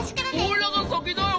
おいらがさきだよ。